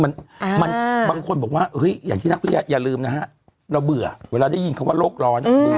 มันบางคนบอกว่าเฮ้ยอย่างที่นักวิทยาอย่าลืมนะฮะเราเบื่อเวลาได้ยินคำว่าโรคร้อน